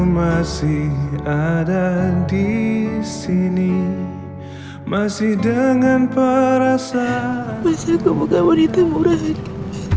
masa kamu gak menitimu rani